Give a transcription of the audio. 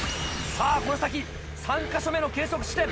さぁこの先３か所目の計測地点。